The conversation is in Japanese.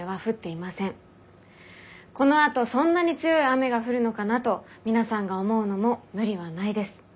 このあとそんなに強い雨が降るのかなと皆さんが思うのも無理はないです。